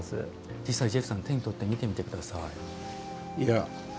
実際ジェフさん手に取ってみてください。